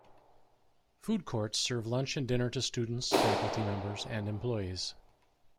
Food courts serve lunch and dinner to students, faculty members, and employees.